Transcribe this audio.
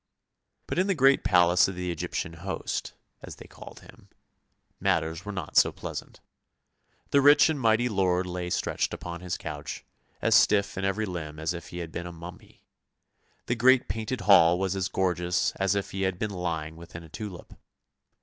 But in the great palace of the Egyptian host, as they called him, matters were not so pleasant. The rich and mightv lord lay stretched upon his couch, as stiff in even limb as if he had been a mummy. The great painted hall was as gorgeous as if he had been lying within a tulip.